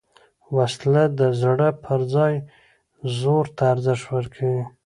وسله د زړه پر ځای زور ته ارزښت ورکوي